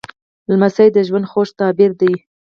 لمسی د ژوند خوږ تعبیر دی.